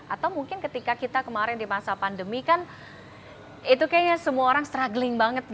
atau mungkin ketika kita kemarin di masa pandemi kan itu kayaknya semua orang struggling banget